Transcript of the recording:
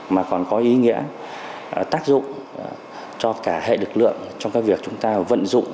mà còn có ý nghĩa tác dụng cho cả hệ lực lượng trong các việc chúng ta vận dụng